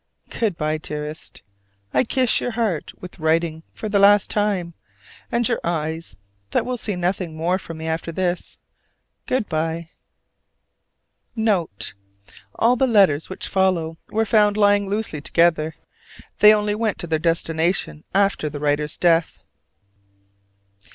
Good by, dearest. I kiss your heart with writing for the last time, and your eyes, that will see nothing more from me after this. Good by. Note. All the letters which follow were found lying loosely together. They only went to their destination after the writer's death.